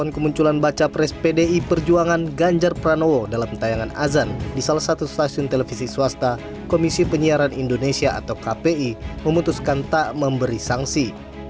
keputusan pdi perjuangan ganjar pranowo dalam tayangan azan di salah satu stasiun televisi swasta kpi memutuskan tak memberi sanksi